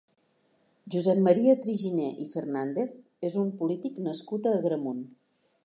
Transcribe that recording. Josep Maria Triginer i Fernández és un polític nascut a Agramunt.